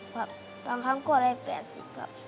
ครับบางครั้งก็ได้๘๐ครับ